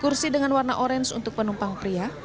kursi dengan warna orange untuk penumpang pria